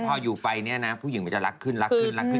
พออยู่ไปเนี่ยนะผู้หญิงมันจะรักขึ้นรักขึ้นรักขึ้น